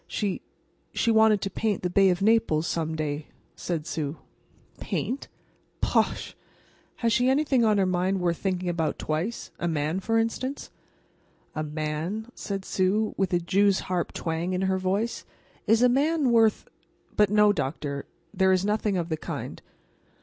"She—she wanted to paint the Bay of Naples some day," said Sue. "Paint?—bosh! Has she anything on her mind worth thinking about twice—a man, for instance?" "A man?" said Sue, with a jew's harp twang in her voice. "Is a man worth—but, no, doctor; there is nothing of the kind."